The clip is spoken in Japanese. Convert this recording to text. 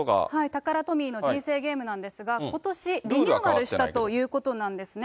タカラトミーの人生ゲームなんですが、ことし、リニューアルしたということなんですね。